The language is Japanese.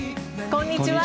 こんにちは。